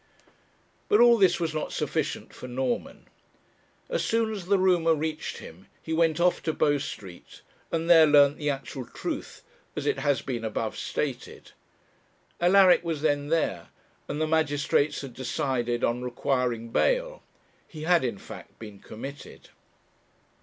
But all this was not sufficient for Norman. As soon as the rumour reached him, he went off to Bow Street, and there learnt the actual truth as it has been above stated. Alaric was then there, and the magistrates had decided on requiring bail; he had, in fact, been committed.